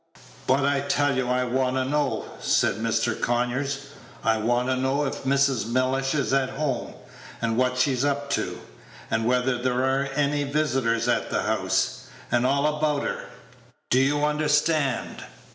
"But I tell you I want to know," said Mr. Conyers; "I want to know if Mrs. Mellish is at home, and what she's up to, and whether there are any visitors at the house, and all about her. Do you understand?"